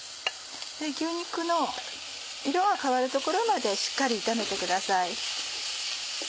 牛肉の色が変わるところまでしっかり炒めてください。